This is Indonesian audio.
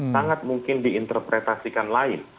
sangat mungkin diinterpretasikan lain